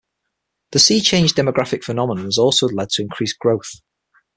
The Seachange demographic phenomenon has also led to increased growth.